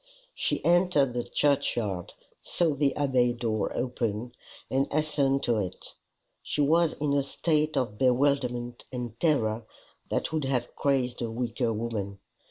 She entered the churchyard, saw the Abbey door open, and hastened to it. She was in a state of bewilderment and terror that would have crazed a weaker woman.